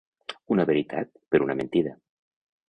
Una veritat per una mentida.